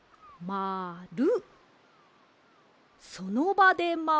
まる。